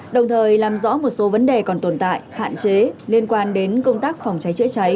đồng thời làm rõ một số vấn đề còn tồn tại hạn chế liên quan đến công tác phòng cháy chữa cháy